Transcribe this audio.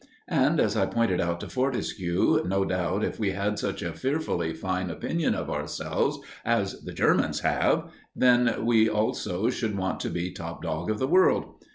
And, as I pointed out to Fortescue, no doubt if we had such a fearfully fine opinion of ourselves as the Germans have, then we also should want to be top dog of the world.